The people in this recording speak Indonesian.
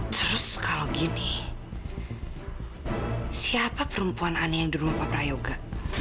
terus kalau gini siapa perempuan ani yang di rumah pak prayoga